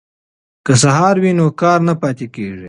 که سهار وي نو کار نه پاتې کیږي.